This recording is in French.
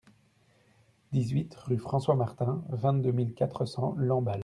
dix-huit rue Francois Martin, vingt-deux mille quatre cents Lamballe